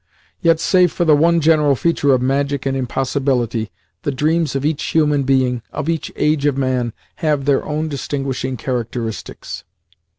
Yet, save for the one general feature of magic and impossibility, the dreams of each human being, of each age of man, have their own distinguishing characteristics.